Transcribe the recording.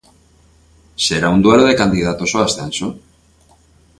Será un duelo de candidatos ao ascenso.